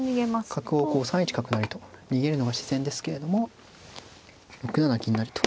角をこう３一角成と逃げるのが自然ですけれども６七銀成と。